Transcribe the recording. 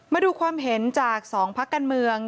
มาดูความเห็นจากสองภาคการเมือง